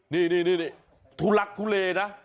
นี่ทุลักทุเลนะ